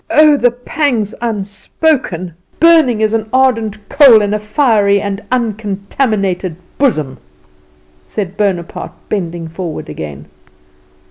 Oh, the pangs unspoken, burning as an ardent coal in a fiery and uncontaminated bosom!" said Bonaparte, bending forward again.